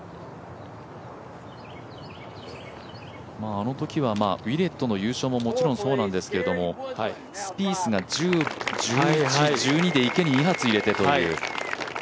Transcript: あのときはウィレットの優勝ももちろんそうなんですけどスピースが１１、１２で池に２発入れてという。